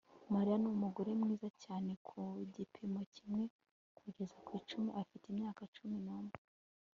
Mariya numugore mwiza cyane Ku gipimo kimwe kugeza ku icumi afite imyaka cumi numwe